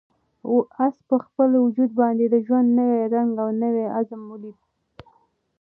آس په خپل وجود باندې د ژوند نوی رنګ او نوی عزم ولید.